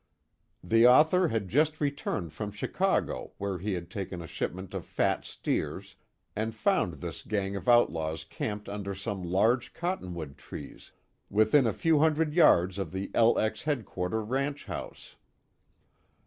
The author had just returned from Chicago where he had taken a shipment of fat steers, and found this gang of outlaws camped under some large cottonwood trees, within a few hundred yards of the "LX" headquarter ranch house.